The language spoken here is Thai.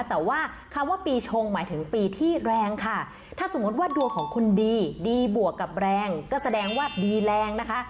แต่ว่าคำว่าปีชงหมายถึงปีที่แรงค่ะถ้าสมมติว่าดวงของคุณดีดีบวกกับแรงก็แสดงว่าดีแรงนะคะ